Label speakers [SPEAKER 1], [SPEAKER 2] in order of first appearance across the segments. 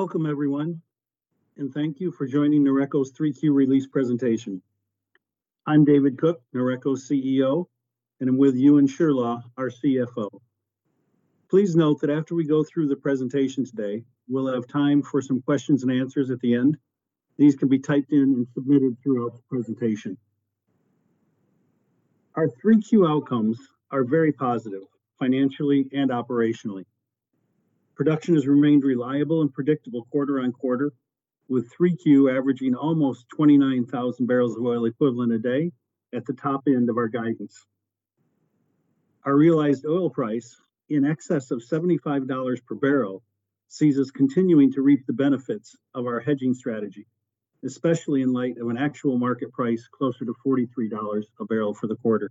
[SPEAKER 1] Welcome everyone, and thank you for joining Noreco's 3Q release presentation. I'm David Cook, Noreco's CEO, and I'm with Euan Shirlaw, our CFO. Please note that after we go through the presentation today, we'll have time for some questions and answers at the end. These can be typed in and submitted throughout the presentation. Our 3Q outcomes are very positive financially and operationally. Production has remained reliable and predictable quarter on quarter, with 3Q averaging almost 29,000 barrels of oil equivalent a day at the top end of our guidance. Our realized oil price, in excess of $75 per barrel, sees us continuing to reap the benefits of our hedging strategy, especially in light of an actual market price closer to $43 a barrel for the quarter.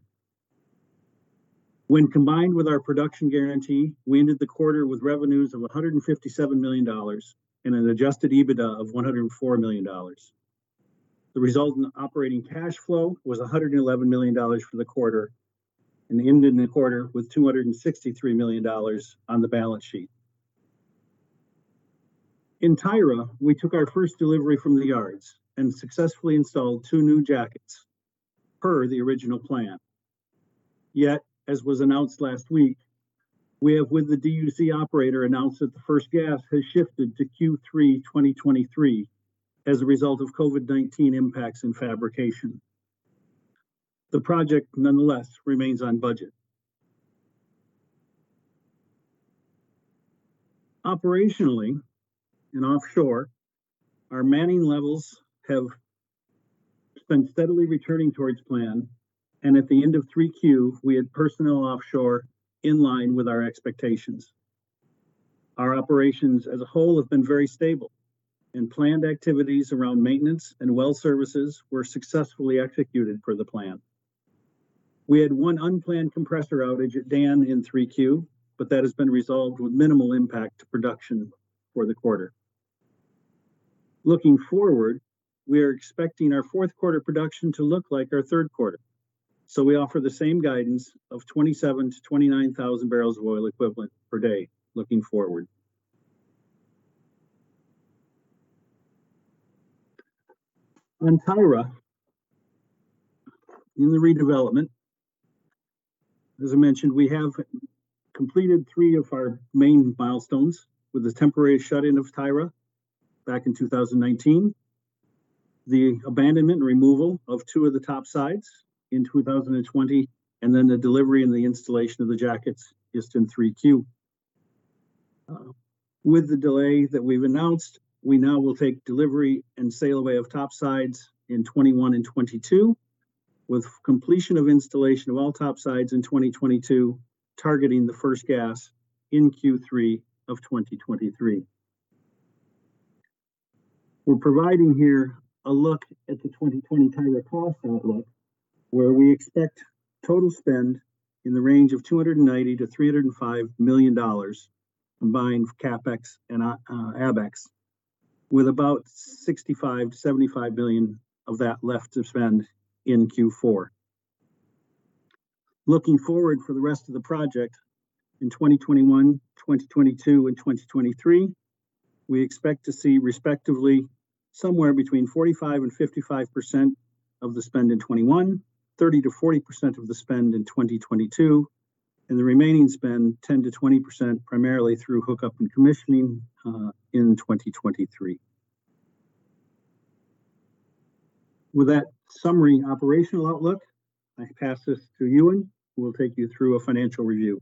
[SPEAKER 1] When combined with our production guarantee, we ended the quarter with revenues of $157 million and an adjusted EBITDA of $104 million. The result in operating cash flow was $111 million for the quarter and ended the quarter with $263 million on the balance sheet. In Tyra, we took our first delivery from the yards and successfully installed two new jackets per the original plan. As was announced last week, we have with the DUC operator announced that the first gas has shifted to Q3 2023 as a result of COVID-19 impacts in fabrication. The project nonetheless remains on budget. Operationally and offshore, our manning levels have been steadily returning towards plan, and at the end of 3Q, we had personnel offshore in line with our expectations. Our operations as a whole have been very stable and planned activities around maintenance and well services were successfully executed for the plan. We had one unplanned compressor outage at Dan in 3Q. That has been resolved with minimal impact to production for the quarter. Looking forward, we are expecting our fourth quarter production to look like our third quarter. We offer the same guidance of 27,000-29,000 barrels of oil equivalent per day looking forward. On Tyra, in the redevelopment, as I mentioned, we have completed three of our main milestones with the temporary shut-in of Tyra back in 2019. The abandonment removal of two of the top sides in 2020. The delivery and the installation of the jackets just in 3Q. With the delay that we've announced, we now will take delivery and sail away of top sides in 2021 and 2022, with completion of installation of all top sides in 2022, targeting the first gas in Q3 of 2023. We're providing here a look at the 2020 Tyra cost outlook, where we expect total spend in the range of $290 million-$305 million combined CapEx and AbEx, with about $65 million-$75 million of that left to spend in Q4. Looking forward for the rest of the project in 2021, 2022, and 2023, we expect to see respectively somewhere between 45%-55% of the spend in 2021, 30%-40% of the spend in 2022, and the remaining spend, 10%-20%, primarily through hookup and commissioning in 2023. With that summary operational outlook, I pass this to Euan, who will take you through a financial review.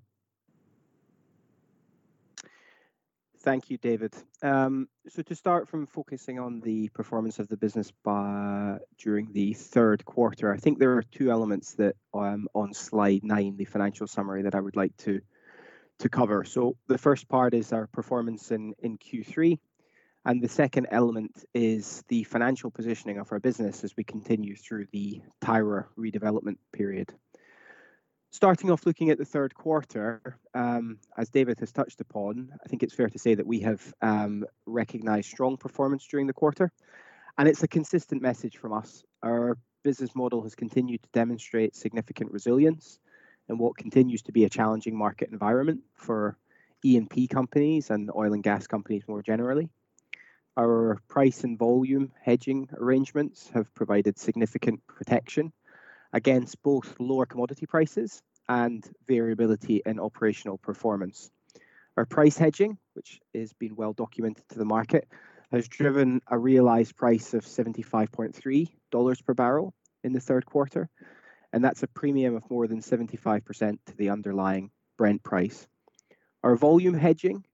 [SPEAKER 2] Thank you, David. To start from focusing on the performance of the business during the third quarter, I think there are two elements that on slide nine, the financial summary, that I would like to cover. The first part is our performance in Q3, and the second element is the financial positioning of our business as we continue through the Tyra redevelopment period. Starting off looking at the third quarter, as David has touched upon, I think it's fair to say that we have recognized strong performance during the quarter, and it's a consistent message from us. Our business model has continued to demonstrate significant resilience in what continues to be a challenging market environment for E&P companies and oil and gas companies more generally. Our price and volume hedging arrangements have provided significant protection against both lower commodity prices and variability in operational performance. Our price hedging, which has been well-documented to the market, has driven a realized price of $75.30 per barrel in the third quarter, and that's a premium of more than 75% to the underlying Brent price. Our volume hedging,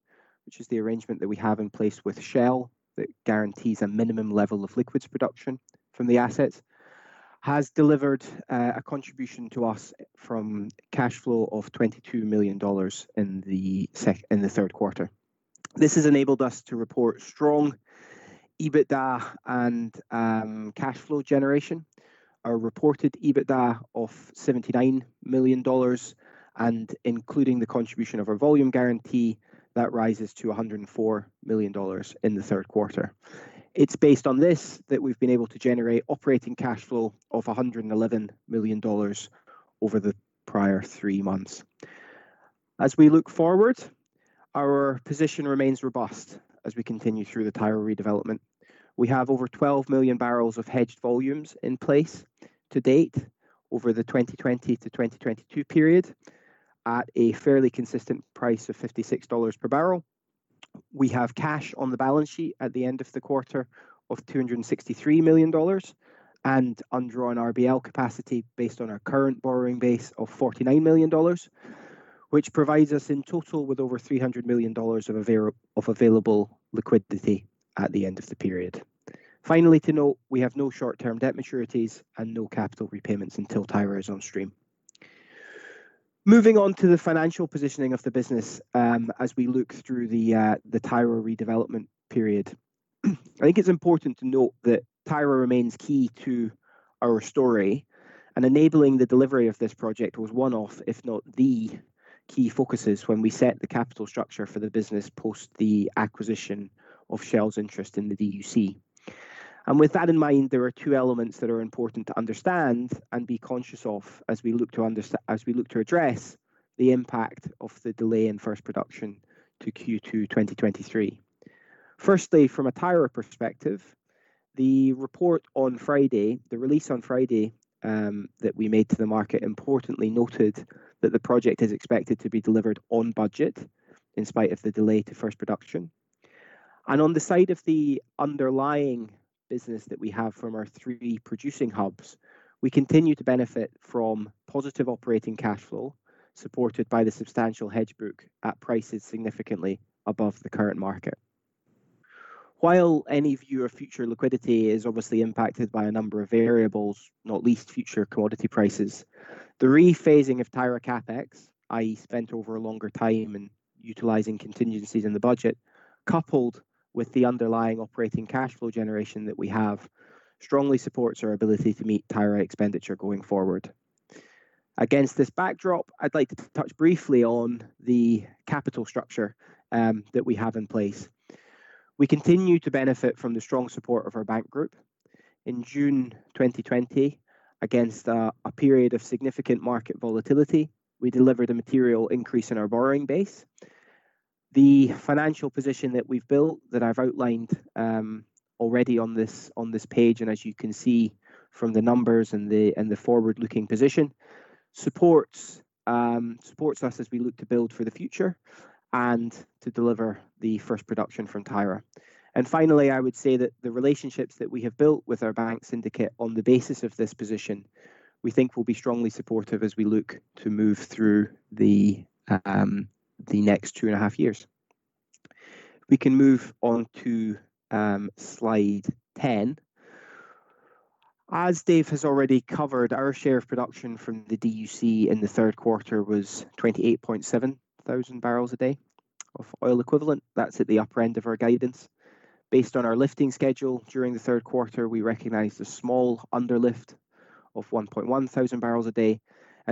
[SPEAKER 2] which is the arrangement that we have in place with Shell that guarantees a minimum level of liquids production from the assets, has delivered a contribution to us from cash flow of $22 million in the third quarter. This has enabled us to report strong EBITDA and cash flow generation. Our reported EBITDA of $79 million and including the contribution of our volume guarantee, that rises to $104 million in the third quarter. It's based on this that we've been able to generate operating cash flow of $111 million over the prior three months. As we look forward, our position remains robust as we continue through the Tyra redevelopment. We have over 12 million barrels of hedged volumes in place to date over the 2020 to 2022 period, at a fairly consistent price of $56 per barrel. We have cash on the balance sheet at the end of the quarter of $263 million and undrawn RBL capacity based on our current borrowing base of $49 million, which provides us in total with over $300 million of available liquidity at the end of the period. Finally, to note, we have no short-term debt maturities and no capital repayments until Tyra is on stream. Moving on to the financial positioning of the business as we look through the Tyra redevelopment period. I think it's important to note that Tyra remains key to our story, and enabling the delivery of this project was one of, if not the, key focuses when we set the capital structure for the business post the acquisition of Shell's interest in the DUC. With that in mind, there are two elements that are important to understand and be conscious of as we look to address the impact of the delay in first production to Q2 2023. Firstly, from a Tyra perspective, the report on Friday, the release on Friday that we made to the market importantly noted that the project is expected to be delivered on budget in spite of the delay to first production. On the side of the underlying business that we have from our three producing hubs, we continue to benefit from positive operating cash flow supported by the substantial hedge book at prices significantly above the current market. While any view of future liquidity is obviously impacted by a number of variables, not least future commodity prices, the rephasing of Tyra CapEx, i.e. spent over a longer time and utilizing contingencies in the budget, coupled with the underlying operating cash flow generation that we have, strongly supports our ability to meet Tyra expenditure going forward. Against this backdrop, I'd like to touch briefly on the capital structure that we have in place. We continue to benefit from the strong support of our bank group. In June 2020, against a period of significant market volatility, we delivered a material increase in our borrowing base. The financial position that we've built, that I've outlined already on this page, as you can see from the numbers and the forward-looking position, supports us as we look to build for the future and to deliver the first production from Tyra. Finally, I would say that the relationships that we have built with our bank syndicate on the basis of this position, we think will be strongly supportive as we look to move through the next two and a half years. We can move on to slide 10. As Dave has already covered, our share of production from the DUC in the third quarter was 28.7 thousand barrels a day of oil equivalent. That's at the upper end of our guidance. Based on our lifting schedule during the third quarter, we recognized a small underlift of 1.1 thousand barrels a day.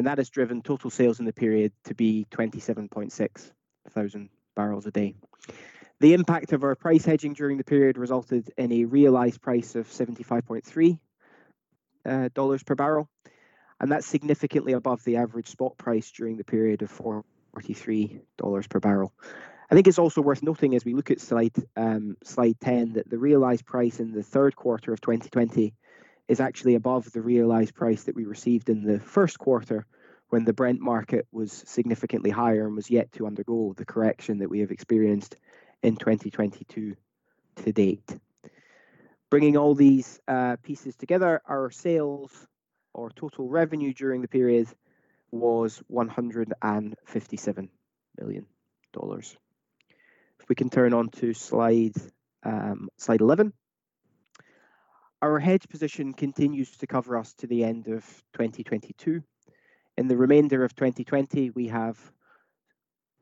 [SPEAKER 2] That has driven total sales in the period to be 27.6 thousand barrels a day. The impact of our price hedging during the period resulted in a realized price of $75.3 per barrel. That's significantly above the average spot price during the period of $43 per barrel. I think it's also worth noting as we look at slide 10, that the realized price in the third quarter of 2020 is actually above the realized price that we received in the first quarter when the Brent market was significantly higher and was yet to undergo the correction that we have experienced in 2022 to date. Bringing all these pieces together, our sales or total revenue during the period was $157 million. If we can turn onto slide 11. Our hedge position continues to cover us to the end of 2022. In the remainder of 2020, we have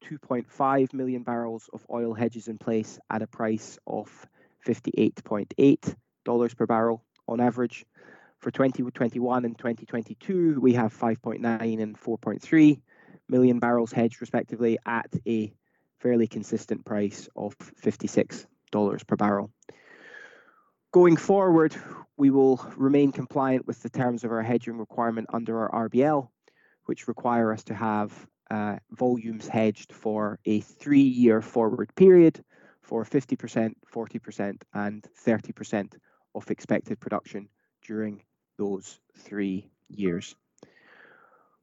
[SPEAKER 2] 2.5 million barrels of oil hedges in place at a price of $58.8 per barrel on average. For 2021 and 2022, we have 5.9 and 4.3 million barrels hedged respectively at a fairly consistent price of $56 per barrel. Going forward, we will remain compliant with the terms of our hedging requirement under our RBL, which require us to have volumes hedged for a three-year forward period for 50%, 40% and 30% of expected production during those three years.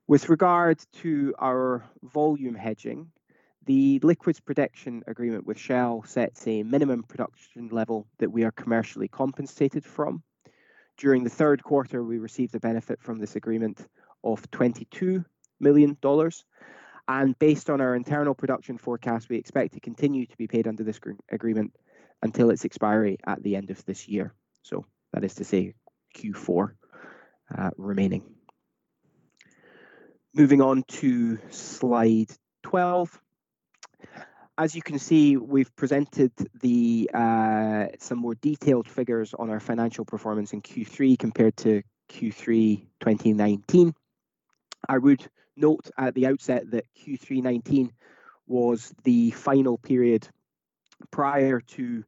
[SPEAKER 2] With regard to our volume hedging, the Liquids Protection Agreement with Shell sets a minimum production level that we are commercially compensated from. During the third quarter, we received the benefit from this agreement of $22 million. Based on our internal production forecast, we expect to continue to be paid under this agreement until its expiry at the end of this year. That is to say Q4 remaining. Moving on to slide 12. As you can see, we've presented some more detailed figures on our financial performance in Q3 compared to Q3 2019. I would note at the outset that Q3 2019 was the final period prior to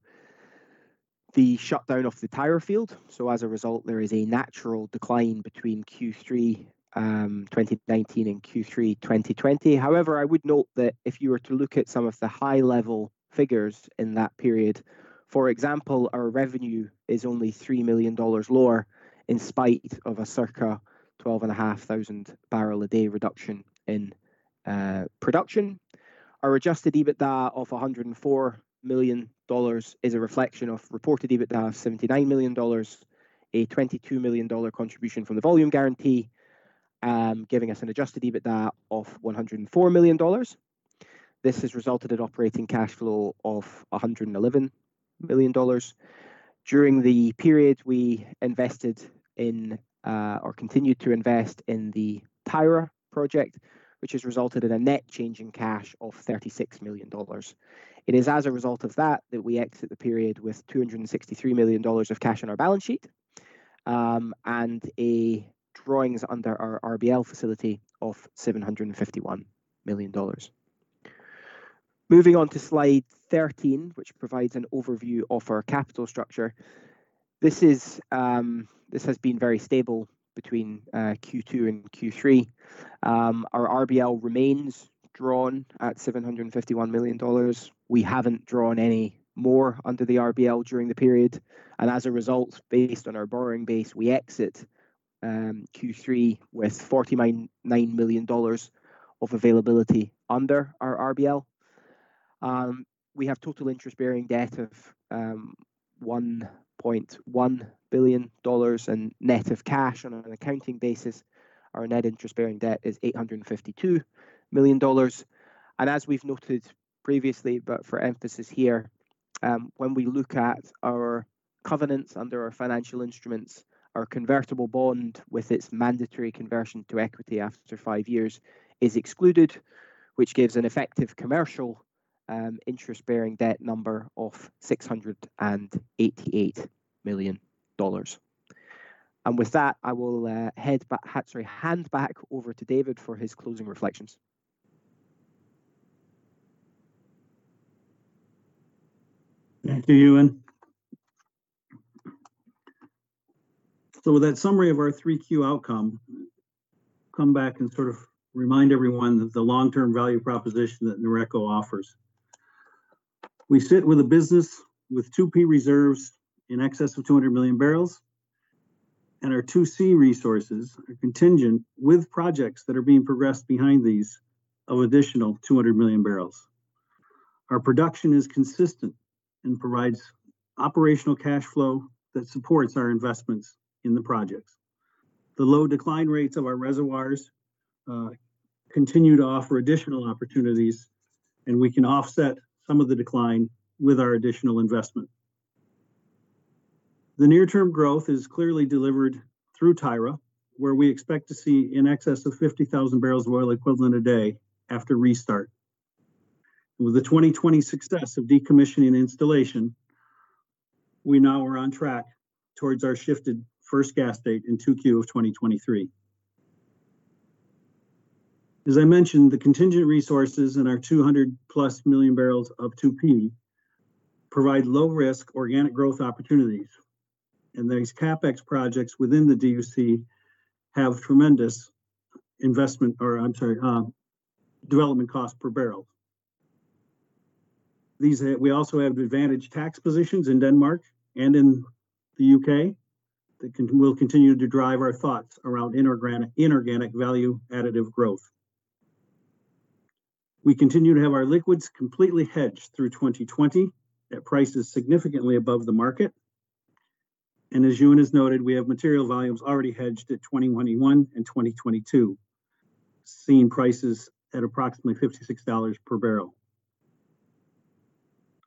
[SPEAKER 2] the shutdown of the Tyra field. As a result, there is a natural decline between Q3 2019 and Q3 2020. I would note that if you were to look at some of the high-level figures in that period, for example, our revenue is only $3 million lower in spite of a circa 12,500 barrel a day reduction in production. Our adjusted EBITDA of $104 million is a reflection of reported EBITDA of $79 million, a $22 million contribution from the volume guarantee, giving us an adjusted EBITDA of $104 million. This has resulted in operating cash flow of $111 million. During the period, we invested in or continued to invest in the Tyra project, which has resulted in a net change in cash of $34 million. It is as a result of that we exit the period with $263 million of cash on our balance sheet, and a drawings under our RBL facility of $751 million. Moving on to slide 13, which provides an overview of our capital structure. This has been very stable between Q2 and Q3. Our RBL remains drawn at $751 million. We haven't drawn any more under the RBL during the period. As a result, based on our borrowing base, we exit Q3 with $49 million of availability under our RBL. We have total interest-bearing debt of $1.1 billion in net of cash on an accounting basis. Our net interest-bearing debt is $852 million. As we've noted previously, but for emphasis here, when we look at our covenants under our financial instruments, our convertible bond with its mandatory conversion to equity after five years is excluded, which gives an effective commercial interest-bearing debt number of $688 million. With that, I will hand back over to David for his closing reflections.
[SPEAKER 1] Thank you, Euan. With that summary of our 3Q outcome, come back and sort of remind everyone that the long-term value proposition that Noreco offers. We sit with a business with 2P reserves in excess of 200 million barrels, and our 2C resources are contingent with projects that are being progressed behind these of additional 200 million barrels. Our production is consistent and provides operational cash flow that supports our investments in the projects. The low decline rates of our reservoirs continue to offer additional opportunities, and we can offset some of the decline with our additional investment. The near-term growth is clearly delivered through Tyra, where we expect to see in excess of 50,000 barrels of oil equivalent a day after restart. With the 2020 success of decommissioning installation, we now are on track towards our shifted first gas date in 2Q of 2023. As I mentioned, the contingent resources in our 200-plus million barrels of 2P provide low-risk organic growth opportunities, and these CapEx projects within the DUC have tremendous development cost per barrel. We also have advantaged tax positions in Denmark and in the U.K. that will continue to drive our thoughts around inorganic value additive growth. We continue to have our liquids completely hedged through 2020 at prices significantly above the market. As Euan has noted, we have material volumes already hedged at 2021 and 2022, seeing prices at approximately $56 per barrel.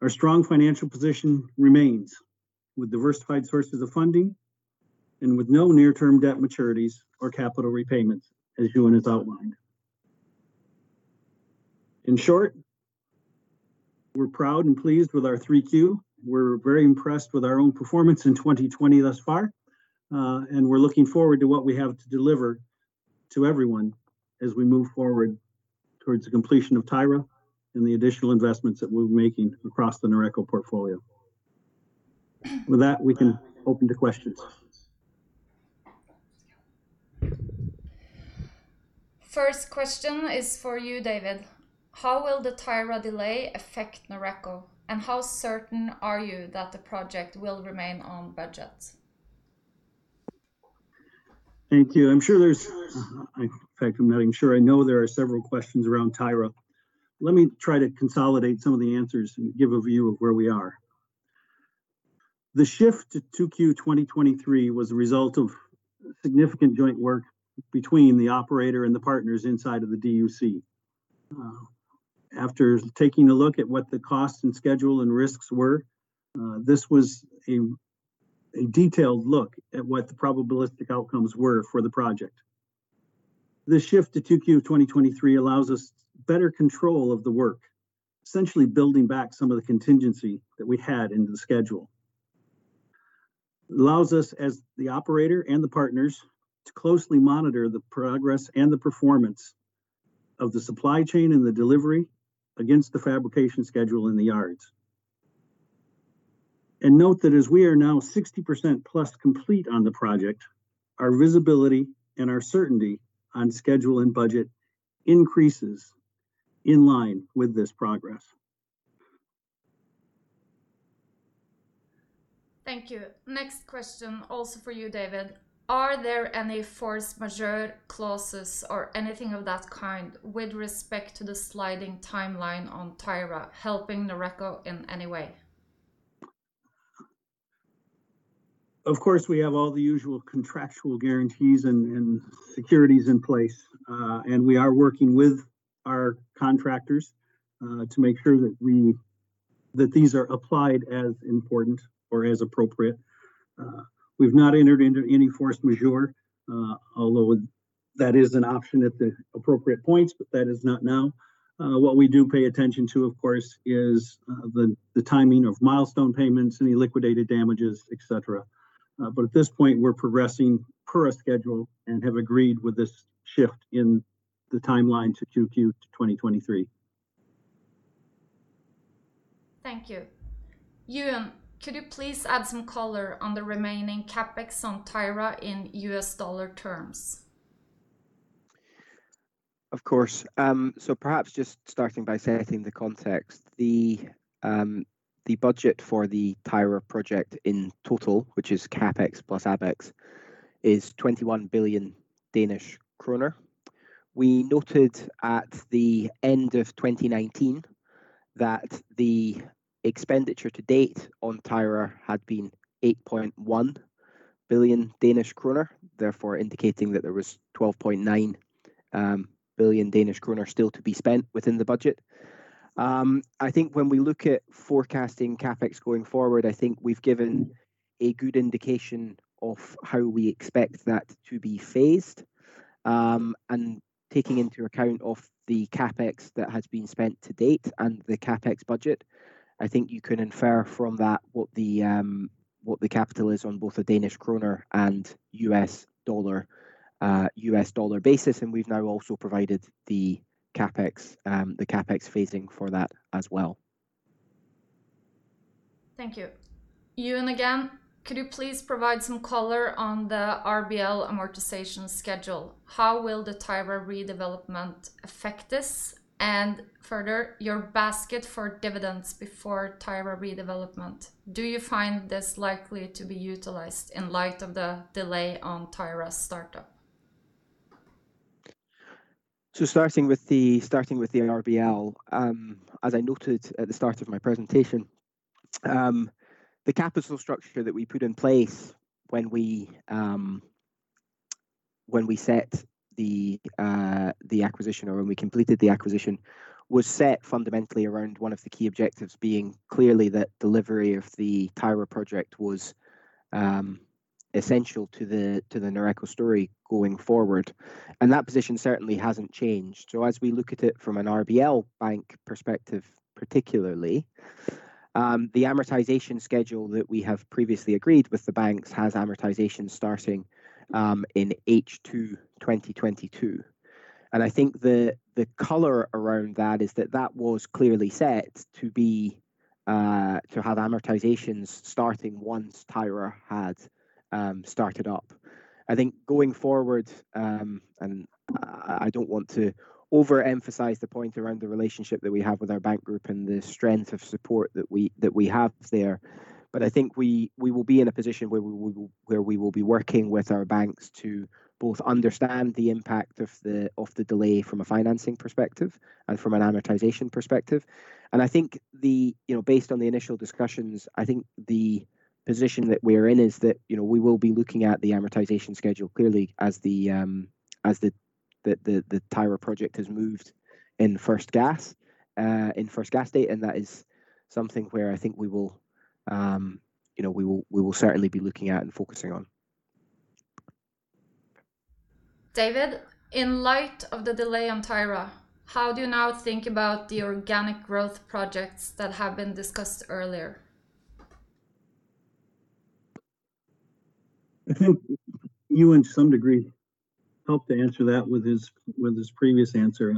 [SPEAKER 1] Our strong financial position remains with diversified sources of funding and with no near-term debt maturities or capital repayments, as Euan has outlined. In short, we're proud and pleased with our 3Q. We're very impressed with our own performance in 2020 thus far. We're looking forward to what we have to deliver to everyone as we move forward towards the completion of Tyra and the additional investments that we're making across the Noreco portfolio. With that, we can open to questions.
[SPEAKER 3] First question is for you, David. How will the Tyra delay affect Noreco, and how certain are you that the project will remain on budget?
[SPEAKER 1] Thank you. In fact, I'm not even sure. I know there are several questions around Tyra. Let me try to consolidate some of the answers and give a view of where we are. The shift to 2Q 2023 was a result of significant joint work between the operator and the partners inside of the DUC. After taking a look at what the costs and schedule and risks were, this was a detailed look at what the probabilistic outcomes were for the project. The shift to 2Q of 2023 allows us better control of the work, essentially building back some of the contingency that we had into the schedule. Allows us as the operator and the partners to closely monitor the progress and the performance of the supply chain and the delivery against the fabrication schedule in the yards. Note that as we are now 60%-plus complete on the project, our visibility and our certainty on schedule and budget increases in line with this progress.
[SPEAKER 3] Thank you. Next question also for you, David. Are there any force majeure clauses or anything of that kind with respect to the sliding timeline on Tyra helping Noreco in any way?
[SPEAKER 1] Of course, we have all the usual contractual guarantees and securities in place. We are working with our contractors to make sure that these are applied as important or as appropriate. We've not entered into any force majeure, although that is an option at the appropriate points, but that is not now. What we do pay attention to, of course, is the timing of milestone payments, any liquidated damages, etc. At this point, we're progressing per our schedule and have agreed with this shift in the timeline to Q2 2023.
[SPEAKER 3] Thank you. Euan, could you please add some color on the remaining CapEx on Tyra in US dollar terms?
[SPEAKER 2] Of course. Perhaps just starting by setting the context. The budget for the Tyra project in total, which is CapEx plus AbEx, is 21 billion Danish kroner. We noted at the end of 2019 that the expenditure to date on Tyra had been 8.1 billion Danish kroner, therefore indicating that there was 12.9 billion Danish kroner still to be spent within the budget. I think when we look at forecasting CapEx going forward, I think we've given a good indication of how we expect that to be phased. Taking into account of the CapEx that has been spent to date and the CapEx budget, I think you can infer from that what the capital is on both a DKK and USD basis, and we've now also provided the CapEx phasing for that as well.
[SPEAKER 3] Thank you. Euan, again, could you please provide some color on the RBL amortization schedule? How will the Tyra redevelopment affect this? Further, your basket for dividends before Tyra redevelopment, do you find this likely to be utilized in light of the delay on Tyra's startup?
[SPEAKER 2] Starting with the RBL. As I noted at the start of my presentation, the capital structure that we put in place when we set the acquisition or when we completed the acquisition was set fundamentally around one of the key objectives being clearly that delivery of the Tyra project was essential to the Noreco story going forward. That position certainly hasn't changed. As we look at it from an RBL bank perspective, particularly, the amortization schedule that we have previously agreed with the banks has amortization starting in H2 2022. I think the color around that is that that was clearly set to have amortization starting once Tyra had started up. I think going forward, and I don't want to overemphasize the point around the relationship that we have with our bank group and the strength of support that we have there, but I think we will be in a position where we will be working with our banks to both understand the impact of the delay from a financing perspective and from an amortization perspective. Based on the initial discussions, I think the position that we're in is that we will be looking at the amortization schedule clearly as the Tyra project has moved in first gas date, and that is something where I think we will certainly be looking at and focusing on.
[SPEAKER 3] David, in light of the delay on Tyra, how do you now think about the organic growth projects that have been discussed earlier?
[SPEAKER 1] I think Euan, to some degree, helped to answer that with his previous answer.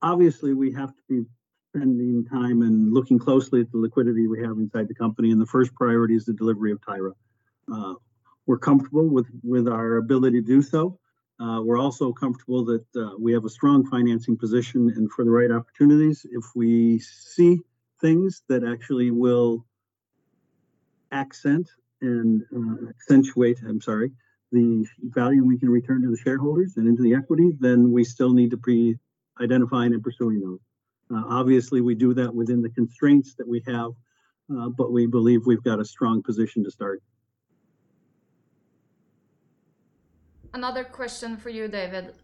[SPEAKER 1] Obviously, we have to be spending time and looking closely at the liquidity we have inside the company, and the first priority is the delivery of Tyra. We're comfortable with our ability to do so. We're also comfortable that we have a strong financing position and for the right opportunities, if we see things that actually will accent and accentuate, I'm sorry, the value we can return to the shareholders and into the equity, then we still need to be identifying and pursuing those. Obviously, we do that within the constraints that we have, but we believe we've got a strong position to start.
[SPEAKER 3] Another question for you, David.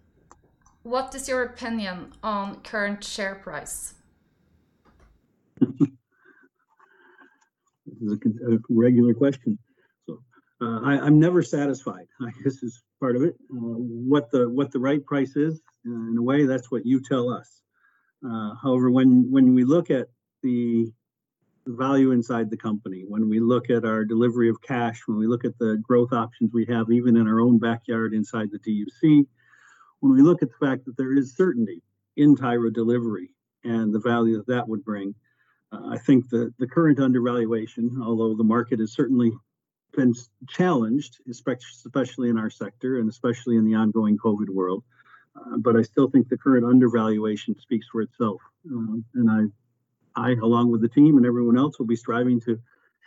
[SPEAKER 3] What is your opinion on current share price?
[SPEAKER 1] This is a regular question. I'm never satisfied. This is part of it. What the right price is, in a way, that's what you tell us. However, when we look at the value inside the company, when we look at our delivery of cash, when we look at the growth options we have even in our own backyard inside the DUC, when we look at the fact that there is certainty in Tyra delivery and the value that that would bring, I think the current undervaluation, although the market has certainly been challenged, especially in our sector and especially in the ongoing COVID-19 world, I still think the current undervaluation speaks for itself. I, along with the team and everyone else, will be striving to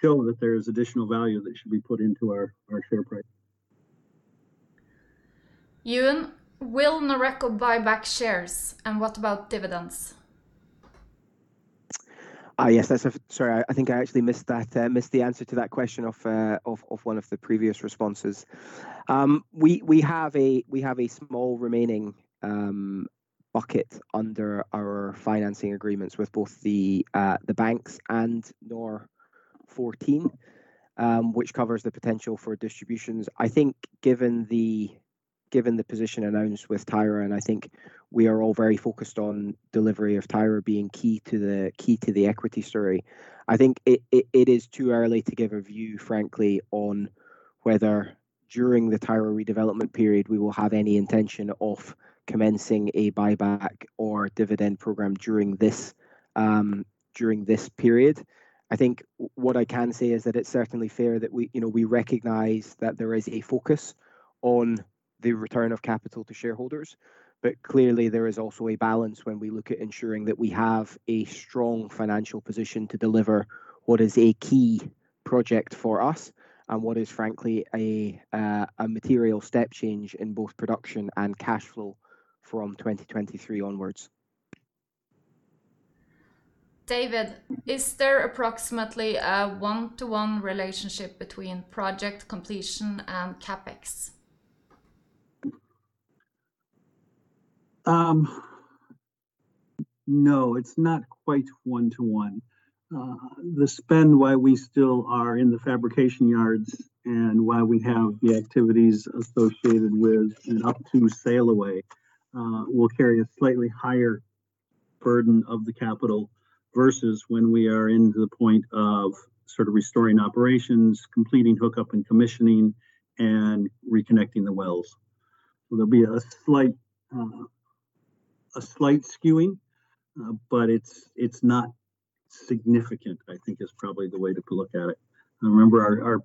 [SPEAKER 1] show that there is additional value that should be put into our share price.
[SPEAKER 3] Euan, will Noreco buy back shares, and what about dividends?
[SPEAKER 2] Sorry, I think I actually missed the answer to that question of one of the previous responses. We have a small remaining bucket under our financing agreements with both the banks and BNOR14, which covers the potential for distributions. I think given the position announced with Tyra, and I think we are all very focused on delivery of Tyra being key to the equity story. I think it is too early to give a view, frankly, on whether during the Tyra redevelopment period, we will have any intention of commencing a buyback or dividend program during this period. I think what I can say is that it's certainly fair that we recognize that there is a focus on the return of capital to shareholders. Clearly there is also a balance when we look at ensuring that we have a strong financial position to deliver what is a key project for us and what is frankly a material step change in both production and cash flow from 2023 onwards.
[SPEAKER 3] David, is there approximately a one-to-one relationship between project completion and CapEx?
[SPEAKER 1] No, it's not quite one-to-one. The spend while we still are in the fabrication yards and while we have the activities associated with an [topside] sail away will carry a slightly higher burden of the capital versus when we are into the point of restoring operations, completing hookup and commissioning, and reconnecting the wells. There'll be a slight skewing, but it's not significant, I think is probably the way to look at it. Remember,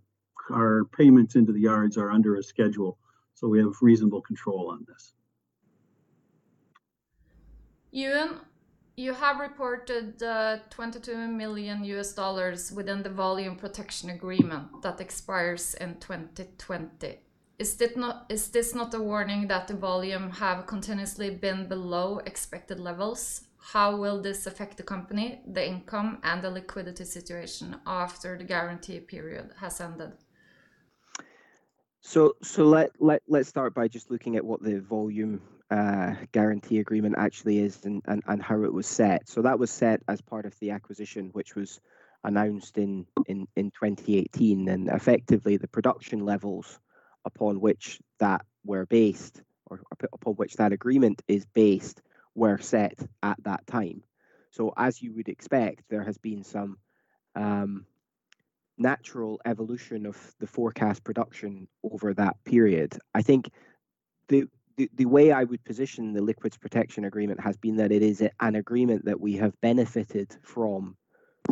[SPEAKER 1] our payments into the yards are under a schedule, so we have reasonable control on this.
[SPEAKER 3] Euan, you have reported $22 million within the liquids protection agreement that expires in 2020. Is this not a warning that the liquids have continuously been below expected levels? How will this affect the company, the income, and the liquidity situation after the guarantee period has ended?
[SPEAKER 2] Let's start by just looking at what the volume guarantee agreement actually is and how it was set. That was set as part of the acquisition, which was announced in 2018, and effectively the production levels upon which that were based, or upon which that agreement is based, were set at that time. As you would expect, there has been some natural evolution of the forecast production over that period. I think the way I would position the liquids protection agreement has been that it is an agreement that we have benefited from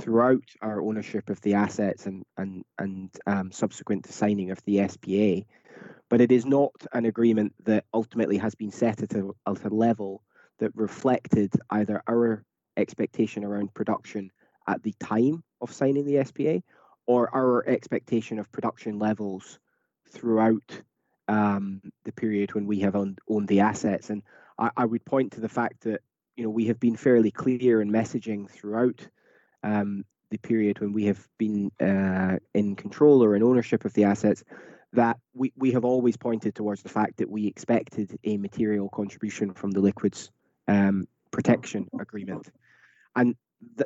[SPEAKER 2] throughout our ownership of the assets and subsequent to signing of the SPA. It is not an agreement that ultimately has been set at a level that reflected either our expectation around production at the time of signing the SPA or our expectation of production levels throughout the period when we have owned the assets. I would point to the fact that we have been fairly clear in messaging throughout the period when we have been in control or in ownership of the assets, that we have always pointed towards the fact that we expected a material contribution from the liquids protection agreement.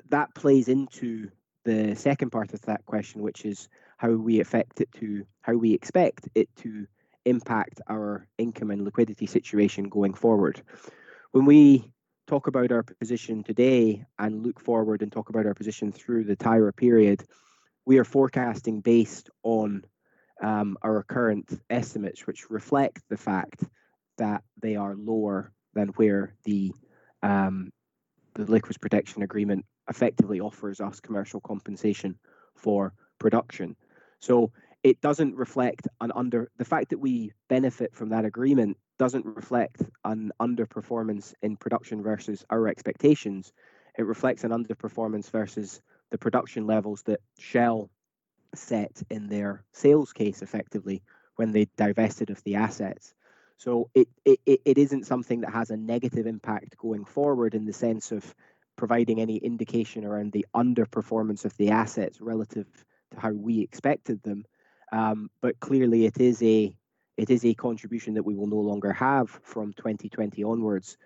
[SPEAKER 2] That plays into the second part of that question, which is how we expect it to impact our income and liquidity situation going forward. When we talk about our position today and look forward and talk about our position through the Tyra period, we are forecasting based on our current estimates, which reflect the fact that they are lower than where the liquids protection agreement effectively offers us commercial compensation for production. The fact that we benefit from that agreement doesn't reflect an underperformance in production versus our expectations. It reflects an underperformance versus the production levels that Shell set in their sales case effectively when they divested of the assets. It isn't something that has a negative impact going forward in the sense of providing any indication around the underperformance of the assets relative to how we expected them. Clearly it is a contribution that we will no longer have from 2020 onwards.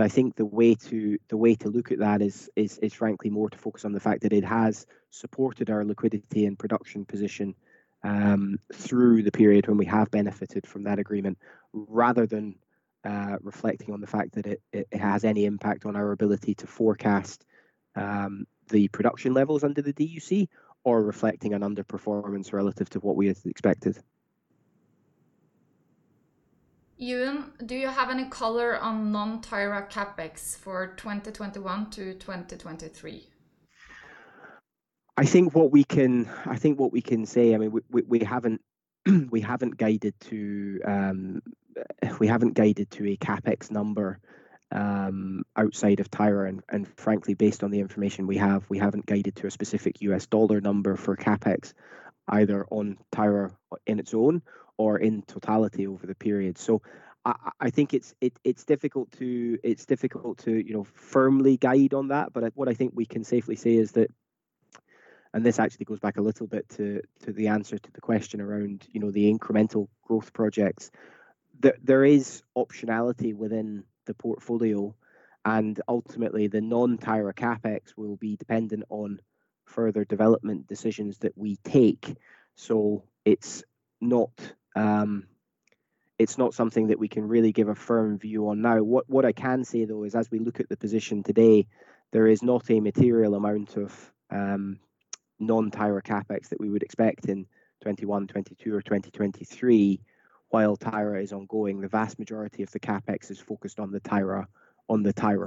[SPEAKER 2] I think the way to look at that is frankly more to focus on the fact that it has supported our liquidity and production position through the period when we have benefited from that agreement, rather than reflecting on the fact that it has any impact on our ability to forecast the production levels under the DUC or reflecting an underperformance relative to what we had expected.
[SPEAKER 3] Euan, do you have any color on non-Tyra CapEx for 2021 to 2023?
[SPEAKER 2] I think what we can say, we haven't guided to a CapEx number outside of Tyra, and frankly, based on the information we have, we haven't guided to a specific US dollar number for CapEx, either on Tyra in its own or in totality over the period. I think it's difficult to firmly guide on that, but what I think we can safely say is that, and this actually goes back a little bit to the answer to the question around the incremental growth projects. There is optionality within the portfolio, and ultimately the non-Tyra CapEx will be dependent on further development decisions that we take. It's not something that we can really give a firm view on now. What I can say, though, is as we look at the position today, there is not a material amount of non-Tyra CapEx that we would expect in 2021, 2022 or 2023 while Tyra is ongoing. The vast majority of the CapEx is focused on the Tyra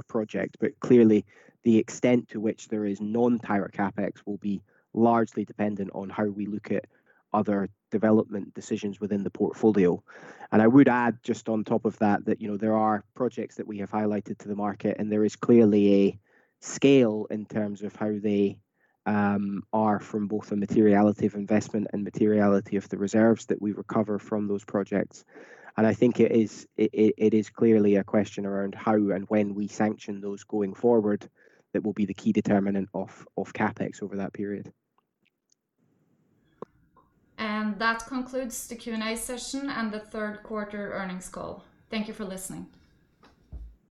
[SPEAKER 2] project. Clearly, the extent to which there is non-Tyra CapEx will be largely dependent on how we look at other development decisions within the portfolio. I would add just on top of that there are projects that we have highlighted to the market, and there is clearly a scale in terms of how they are from both a materiality of investment and materiality of the reserves that we recover from those projects. I think it is clearly a question around how and when we sanction those going forward that will be the key determinant of CapEx over that period.
[SPEAKER 3] That concludes the Q&A session and the third quarter earnings call. Thank you for listening.